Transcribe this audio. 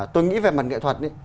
tôi nghĩ về mặt nghệ thuật